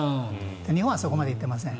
日本はそこまでいっていません。